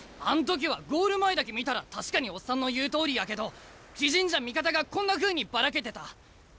あん時はゴール前だけ見たら確かにオッサンの言うとおりやけど自陣じゃ味方がこんなふうにばらけてた。